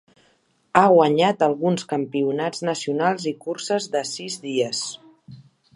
Ha guanyat alguns campionats nacionals i curses de sis dies.